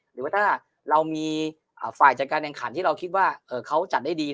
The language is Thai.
หรือว่าถ้าเรามีฝ่ายจัดการแข่งขันที่เราคิดว่าเขาจัดได้ดี